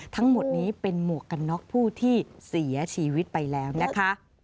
ทั้งหมดนี้เป็นหมวกกันน็อกผู้ที่เสียชีวิตไปแล้วนะคะ